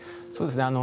そうですね